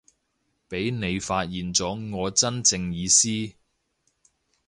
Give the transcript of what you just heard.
畀你發現咗我真正意思